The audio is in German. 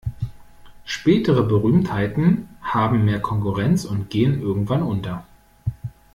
Spätere Berühmtheiten haben mehr Konkurrenz und gehen irgendwann unter.